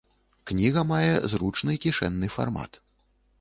Кніга мае зручны кішэнны фармат.